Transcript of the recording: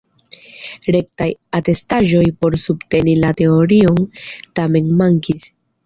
Rektaj atestaĵoj por subteni la teorion tamen mankis.